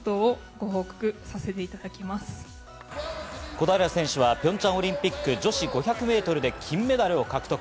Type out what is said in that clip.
小平選手はピョンチャンオリンピック女子５００メートルで金メダルを獲得。